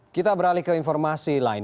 kita beralih ke informasi lain